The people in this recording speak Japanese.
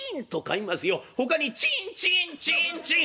ほかにチンチンチンチン。